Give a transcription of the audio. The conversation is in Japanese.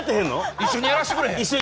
一緒にやらせてくれへん。